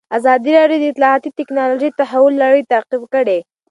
ازادي راډیو د اطلاعاتی تکنالوژي د تحول لړۍ تعقیب کړې.